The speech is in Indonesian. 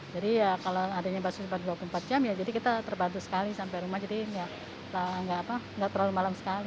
jadi ya kalau adanya basuh dua puluh empat jam ya jadi kita terbantu sekali sampai rumah jadi ya nggak terlalu malam sekali